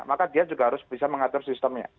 maka dia juga harus bisa mengatur sistemnya